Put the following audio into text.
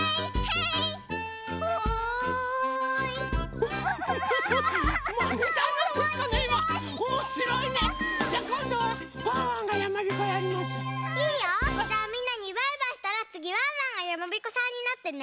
いいよじゃあみんなにバイバイしたらつぎワンワンがやまびこさんになってね！